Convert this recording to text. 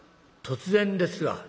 『突然ですが』」。